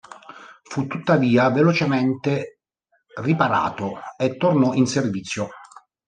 Fu tuttavia velocemente riparato e tornò in servizio.